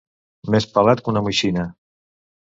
Més pelat que una moixina.